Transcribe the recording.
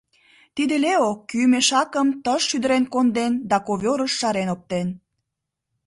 Тиде Лео кӱ мешакым тыш шӱдырен конден да ковёрыш шарен оптен.